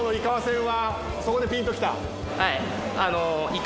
はい。